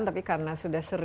tapi karena sudah segera